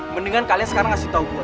mendingan kalian sekarang ngasih tau gue